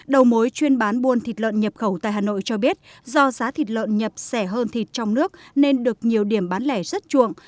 đầu mối chuyên bán buôn thịt lợn nhập khẩu tại hà nội cho biết do giá thịt lợn nhập rẻ hơn thịt trong nước nên được nhiều điểm bán lẻ rất chuộng